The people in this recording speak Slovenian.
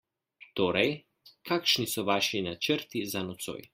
Torej, kakšni so vaši načrti za nocoj?